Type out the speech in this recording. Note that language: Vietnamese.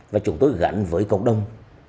và chúng tôi gắn với cộng đồng